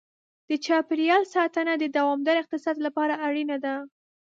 د چاپېریال ساتنه د دوامدار اقتصاد لپاره اړینه ده.